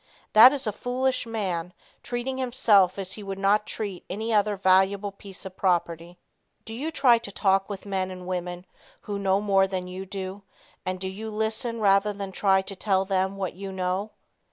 That is a foolish man treating himself as he would not treat any other valuable piece of property. Do you try to talk with men and women who know more than you do, and do you LISTEN rather than try to tell them what you know?